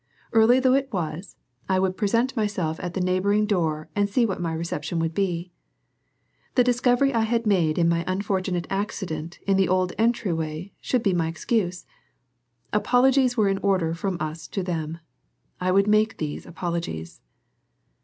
Early though it was, I would present myself at the neighboring door and see what my reception would be. The discovery I had made in my unfortunate accident in the old entry way should be my excuse. Apologies were in order from us to them; I would make these apologies.